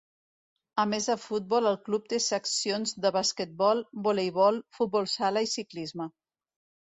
A més de futbol el club té seccions de basquetbol, voleibol, futbol sala i ciclisme.